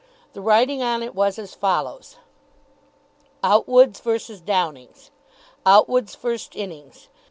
The writing on it was as follows: OUTWOOD'S v. DOWNING'S _Outwood's. First innings.